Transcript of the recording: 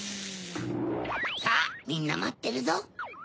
さぁみんなまってるぞ！